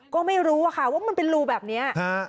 ก็ไม่รู้อะค่ะว่ามันเป็นรูแบบนี้